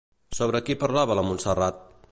Sobre qui parlava la Montserrat?